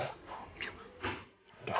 ini gak enak lah